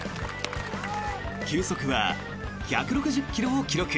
球速は１６０ｋｍを記録。